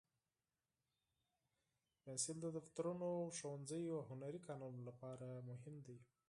پنسل د دفترونو، ښوونځیو، او هنري کارونو لپاره مهم دی.